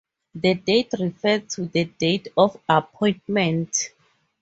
The date refer to the date of appointment.